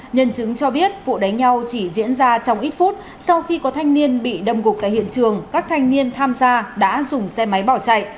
nhân chứng cho biết vụ đánh nhau chỉ diễn ra trong ít phút sau khi có thanh niên bị đâm gục tại hiện trường các thanh niên tham gia đã dùng xe máy bỏ chạy